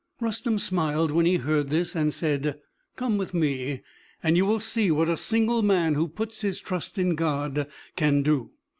Rustem smiled when he heard this, and said, "Come with me, and you will see what a single man, who puts his trust in God, can do.